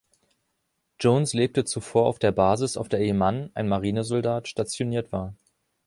Jones lebte zuvor auf der Basis, auf der ihr Mann, ein Marinesoldat, stationiert war.